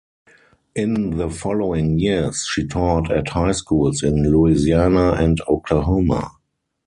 In the following years she taught at high schools in Louisiana and Oklahoma.